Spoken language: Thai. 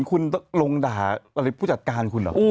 กระลงด่าผู้จัดการ